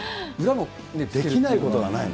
できないことがないの。